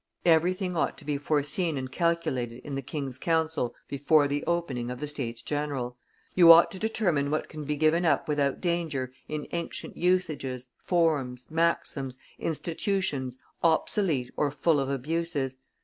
"Everything ought to be foreseen and calculated in the king's council before the opening of the States general. You ought to determine what can be given up without danger in ancient usages, forms, maxims, institutions, obsolete or full of abuses.